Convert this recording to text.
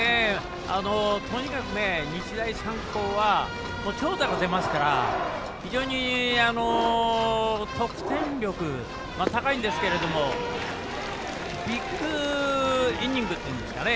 とにかく、日大三高は長打が出ますから非常に得点力高いんですけれどもビッグイニングというんですかね